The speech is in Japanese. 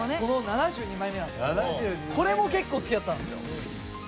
この７２枚目なんですけどこれも結構好きだったんですよ